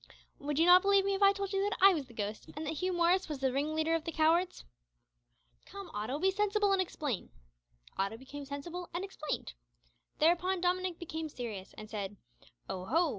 "Would you not believe me if I told you that I was the ghost and that Hugh Morris was the ringleader of the cowards?" "Come, Otto, be sensible and explain." Otto became sensible and explained. Thereupon Dominick became serious, and said "Oho!"